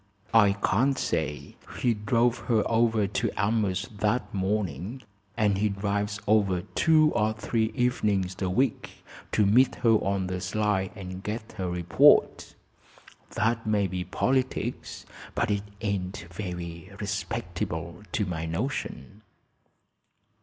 "I can't say. He drove her over to Elmhurst that morning, and he drives over two or three evenings a week to meet her on the sly and get her report. That may be politics, but it ain't very respectable, to my notion."